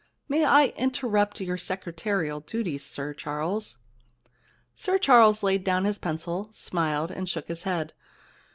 May I interrupt your secretarial duties, Sir Charles ?* Sir Charles laid down his pencil, smiled, and shook his head.